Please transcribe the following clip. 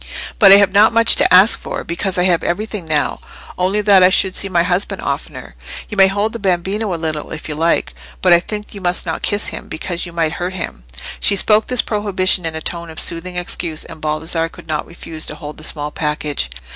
But I have not much to ask for, because I have everything now—only that I should see my husband oftener. You may hold the bambino a little if you like, but I think you must not kiss him, because you might hurt him." She spoke this prohibition in a tone of soothing excuse, and Baldassarre could not refuse to hold the small package.